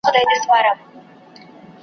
دواړي زامي یې له یخه رېږدېدلې .